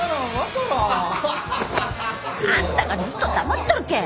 ハハハ！あんたがずっと黙っとるけん！